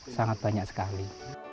sangat banyak sekali